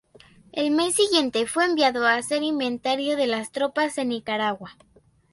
El mes siguiente fue enviado a hacer inventario de las tropas en Nicaragua.